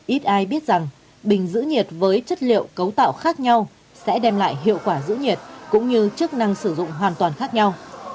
ít ai biết rằng bình giữ nhiệt với chất liệu cấu tạo khác nhau sẽ đem lại hiệu quả giữ nhiệt cũng như chức năng sử dụng hoàn toàn khác nhau